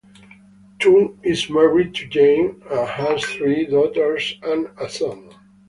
Toon is married to Jane and has three daughters and a son.